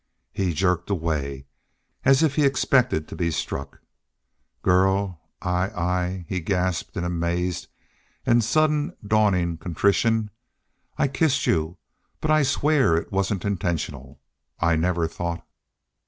He jerked away, as if he expected to be struck. "Girl I I" he gasped in amaze and sudden dawning contrition "I kissed you but I swear it wasn't intentional I never thought...."